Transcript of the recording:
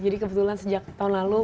jadi kebetulan sejak tahun lalu